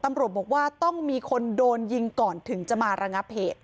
ตำรวจบอกว่าต้องมีคนโดนยิงก่อนถึงจะมาระงับเหตุ